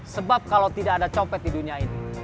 sebab kalau tidak ada copet di dunia ini